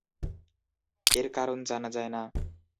এর কারণ জানা যায় না।